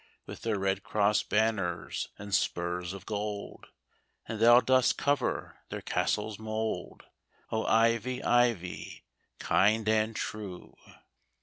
With their red cross banners and spurs of gold. And thou dost cover their castle s mould, O, Ivy, Ivy, kind and true